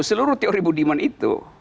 seluruh teori budiman itu